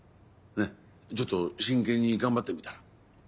ちょっと真剣に頑張ってみたら。